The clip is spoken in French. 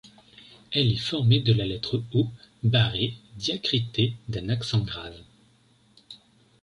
Elle est formée de la lettre O barré diacritée d’un accent grave.